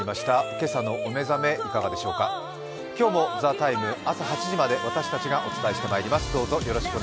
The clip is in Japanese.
今朝のお目覚め、いかがでしょうか今日も「ＴＨＥＴＩＭＥ’」朝８時まで私たちがお送りします。